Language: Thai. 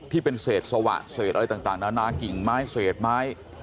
ที่เป็นเศษสวะเศษอะไรต่างนานากิ่งไม้เศษไม้